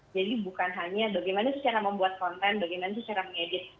jadi bukan hanya bagaimana cara membuat konten bagaimana cara mengedit